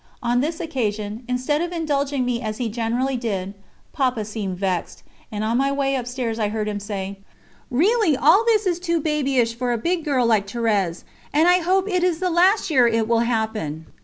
On this occasion, instead of indulging me as he generally did, Papa seemed vexed, and on my way upstairs I heard him say: "Really all this is too babyish for a big girl like Thérèse, and I hope it is the last year it will happen."